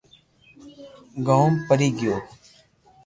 گوم ڀري گيو